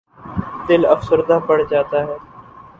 دل افسردہ پڑ جاتا ہے۔